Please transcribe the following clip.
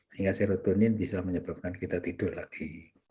sehingga serotonin bisa menyebabkan kita tidur lagi